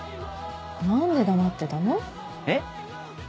何で黙ってたの？え？